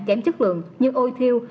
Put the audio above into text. kém chất lượng như ôi thiêu